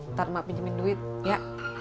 ntar mak pinjemin duit ya